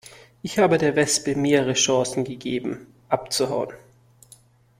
Ich habe der Wespe mehrere Chancen gegeben, abzuhauen.